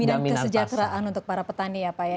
ini dan kesejahteraan untuk para petani ya pak ya